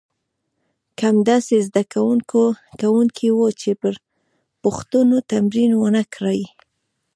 کم داسې زده کوونکي وو چې پر پوښتنو تمرین ونه کړي.